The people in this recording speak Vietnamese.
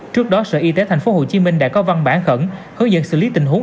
trước đó sở y tế tp hcm đã có văn bản khẩn hướng dẫn xử lý tình huống